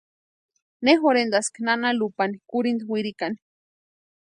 Ne jorhentaski nana Lupani kurhinta wirikani.